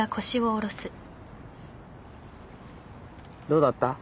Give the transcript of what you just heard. どうだった？